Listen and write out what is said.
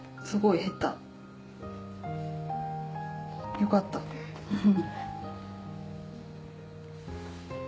よかったフフフ。